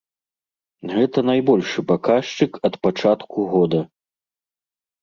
Гэта найбольшы паказчык ад пачатку года.